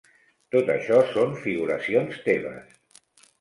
Tot això són figuracions teves.